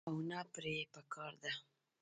او نۀ پرې پکار ده -